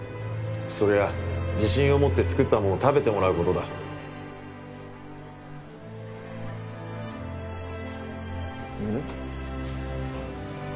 それは自信を持って作ったもんを食べてもらうことだん？